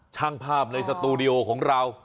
ช่างภาพในสตูดิโอของเรา